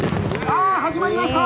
さあ始まりました